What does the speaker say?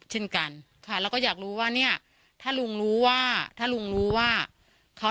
เช่นกันค่ะแล้วก็อยากรู้ว่าเนี่ยถ้าลุงรู้ว่าถ้าลุงรู้ว่าเขา